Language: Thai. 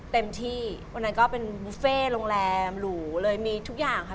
เต็มที่วันนั้นก็เป็นบุฟเฟ่โรงแรมหรูเลยมีทุกอย่างค่ะ